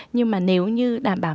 nhưng mà nếu như đảm bảo